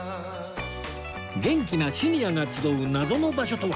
元気なシニアが集う謎の場所とは？